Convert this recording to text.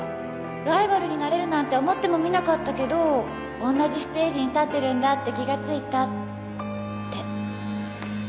ライバルになれるなんて思ってもみなかったけどおんなじステージに立ってるんだって気が付いたって。